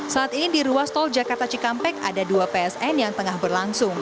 saat ini di ruas tol jakarta cikampek ada dua psn yang tengah berlangsung